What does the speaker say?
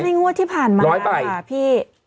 ไม่รู้ว่าที่ผ่านมาอ่ะพี่